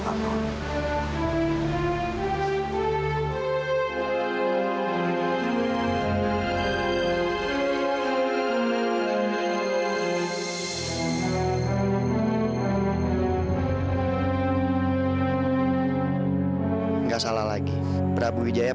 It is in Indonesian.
saya akan selalu melindungi kamu